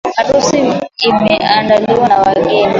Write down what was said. Harusi imeandaliwa na wageni.